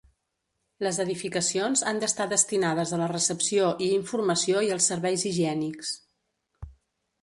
Les edificacions han d'estar destinades a la recepció i informació i als serveis higiènics.